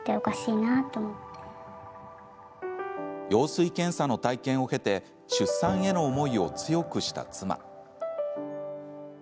羊水検査の体験を経て出産への思いを強くした妻。